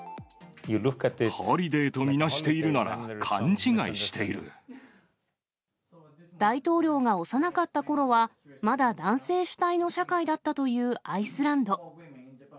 ホリデーと見なしているなら、大統領が幼かったころは、まだ男性主体の社会だったというアイスランド。